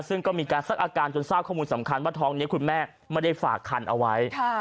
ซึ่งก็มีการซักอาการจนทราบข้อมูลสำคัญว่าท้องนี้คุณแม่ไม่ได้ฝากคันเอาไว้